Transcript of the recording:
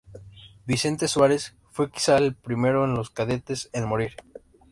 Vicente Suárez fue quizá el primero de los cadetes en morir.